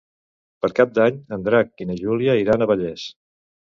Per Cap d'Any en Drac i na Júlia iran a Vallés.